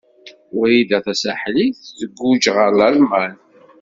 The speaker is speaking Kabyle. Wrida Tasaḥlit tguǧǧ ɣer Lalman.